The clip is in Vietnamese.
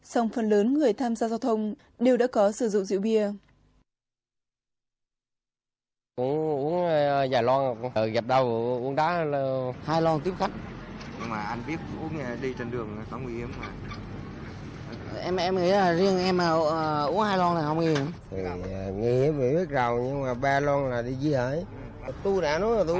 song phần lớn người tham gia giao thông đều đã có sử dụng rượu bia